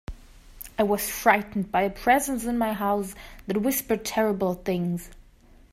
I was frightened by a presence in my house that whispered terrible things.